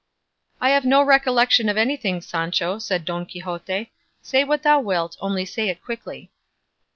"I have no recollection of anything, Sancho," said Don Quixote; "say what thou wilt, only say it quickly."